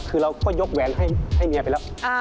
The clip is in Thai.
คือเราก็ยกแหวนให้เมียไปแล้ว